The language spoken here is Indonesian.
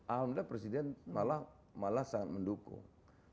alhamdulillah presiden malah sangat mendukung